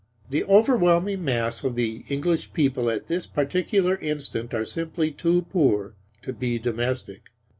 The overwhelming mass of the English people at this particular instant are simply too poor to be domestic.